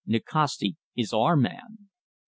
"Nikasti is our man!"